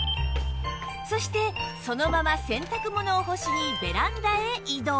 そしてそのまま洗濯物を干しにベランダへ移動